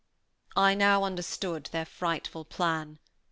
I now understood their frightful plan.